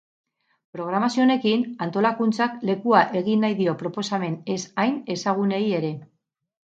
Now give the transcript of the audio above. Programazio honekin, antolakuntzak lekua egin nahi dio proposamen ez hain ezagunei ere.